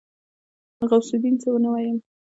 غوث الدين څه ونه ويل.